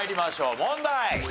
問題。